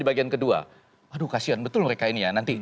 bagian kedua aduh kasihan betul mereka ini ya nanti